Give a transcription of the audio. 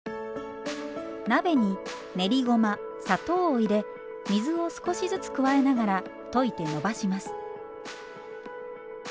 鍋に練りごま砂糖を入れ水を少しずつ加えながら溶いてのばします。